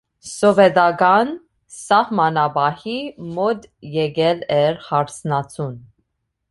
Սովետական սահմանապահի մոտ եկել էր հարսնացուն։